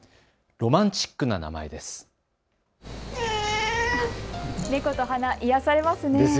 ロマンチックな名前です。